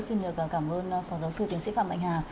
xin cảm ơn phó giáo sư tiến sĩ phạm bạch hà